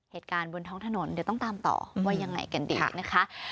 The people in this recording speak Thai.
เหตุการณ์บนท้องถนนเดี๋ยวต้องตามต่อว่ายังไงกันดีนะคะ